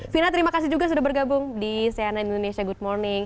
vina terima kasih juga sudah bergabung di cnn indonesia good morning